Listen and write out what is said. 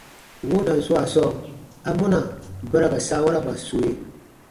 Woodan swaa sɔɔ, amɔna ba ra ka saawaraba sue?